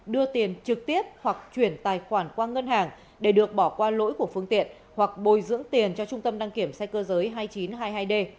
đưa tiền trực tiếp hoặc chuyển tài khoản qua ngân hàng để được bỏ qua lỗi của phương tiện hoặc bồi dưỡng tiền cho trung tâm đăng kiểm xe cơ giới hai nghìn chín trăm hai mươi hai d